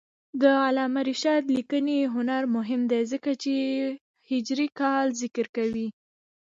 د علامه رشاد لیکنی هنر مهم دی ځکه چې هجري کال ذکر کوي.